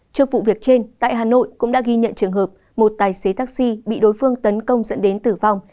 trước vụ việc trên tại hà nội cũng đã ghi nhận trường hợp một tài xế taxi bị đối phương tấn công dẫn đến tử vong